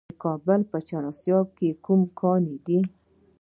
د کابل په چهار اسیاب کې کوم کانونه دي؟